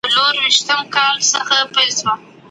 چتونه ټول پاخه نه دي.